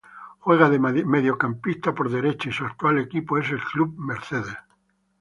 Juega de mediocampista por derecha y su actual equipo es Club Mercedes.